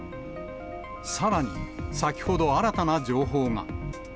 さらに、先ほど新たな情報が。